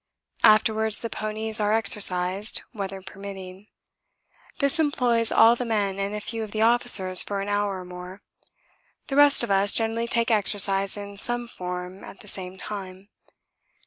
Afterwards the ponies are exercised, weather permitting; this employs all the men and a few of the officers for an hour or more the rest of us generally take exercise in some form at the same time.